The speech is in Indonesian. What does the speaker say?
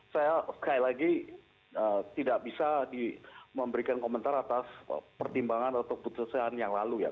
saya sekali lagi tidak bisa memberikan komentar atas pertimbangan atau keputusan yang lalu ya